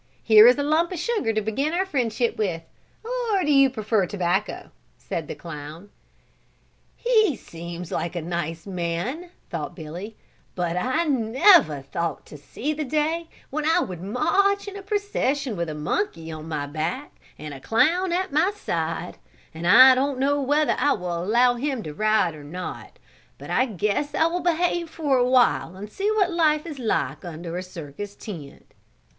Here is a lump of sugar to begin our friendship with, or do you prefer tobacco?" said the clown. "He seems like a nice man," thought Billy, "but I never thought to see the day when I would march in a procession with a monkey on my back and a clown at my side, and I don't know whether I will allow him to ride or not, but I guess I will behave for awhile and see what life is like under a circus tent."